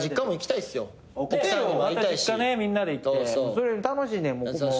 それ楽しいねん。